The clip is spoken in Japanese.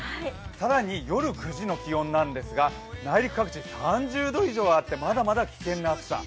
更に夜９時の気温なんですが、内陸各地３０度以上あってまだまだ危険な暑さ。